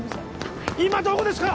今どこですか？